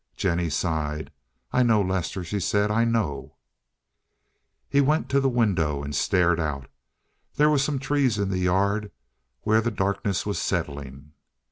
Jennie sighed. "I know, Lester," she said, "I know." He went to the window and stared out. There were some trees in the yard, where the darkness was settling.